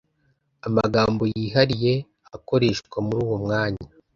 Amagambo yihariye akoreshwa muri uwo mwanya